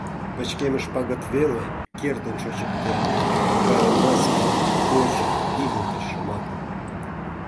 Пычкемыш пагыт веле кертын шочыктен Тыгае мыскынь, кочо, игылтыш шомакым.